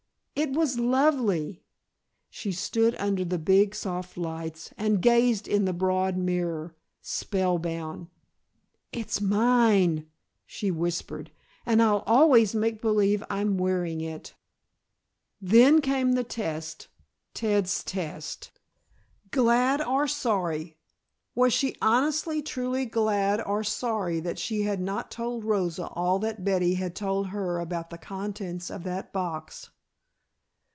It was lovely! She stood under the big soft lights and gazed in the broad mirror, spellbound. "It's mine," she whispered, "and I'll always make believe I'm wearing it." Then came the test Ted's test. Glad or sorry? Was she honestly, truly glad or sorry that she had not told Rosa all that Betty had told her about the contents of that box?